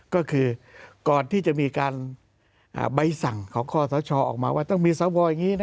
ก็คือก่อนที่จะมีการอ่าใบสั่งของข้อเท้าชอออกมาว่าต้องมีซับวอลอย่างงี้นะ